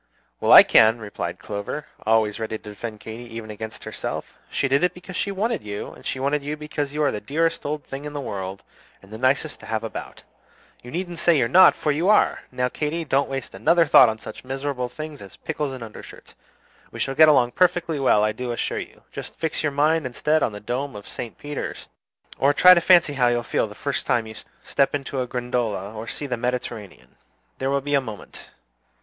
"Well, I can," replied Clover, always ready to defend Katy even against herself. "She did it because she wanted you, and she wanted you because you are the dearest old thing in the world, and the nicest to have about. You needn't say you're not, for you are! Now, Katy, don't waste another thought on such miserable things as pickles and undershirts. We shall get along perfectly well, I do assure you. Just fix your mind instead on the dome of St. Peter's, or try to fancy how you'll feel the first time you step into a gondola or see the Mediterranean. There will be a moment!